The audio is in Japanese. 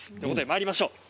まいりましょう。